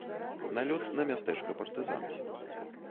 Налёт на мястэчка партызан.